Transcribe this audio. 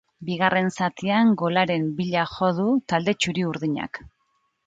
Bigarren zatian golaren bila jo du talde txuri-urdinak.